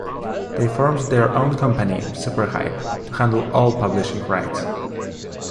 They formed their own company, Superhype, to handle all publishing rights.